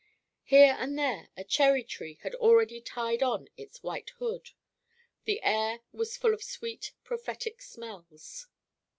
Here and there a cherry tree had already tied on its white hood. The air was full of sweet prophetic smells.